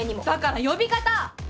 だから呼び方！